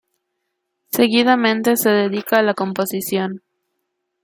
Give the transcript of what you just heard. Seguidamente, se dedica a la composición.